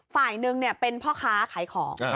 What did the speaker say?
ฝ่ายหนึ่งเป็นพ่อค้าขายของ